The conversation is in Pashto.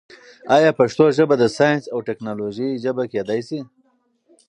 آیا پښتو ژبه د ساینس او ټیکنالوژۍ ژبه کېدای شي؟